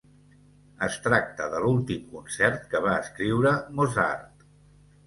Es tracta de l'últim concert que va escriure Mozart.